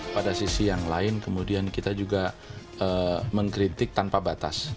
pada sisi yang lain kemudian kita juga mengkritik tanpa batas